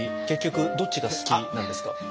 結局どっちが好きなんですか？